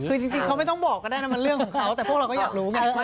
คือจริงเขาไม่ต้องบอกก็ได้นะมันเรื่องของเขาแต่พวกเราก็อยากรู้ไง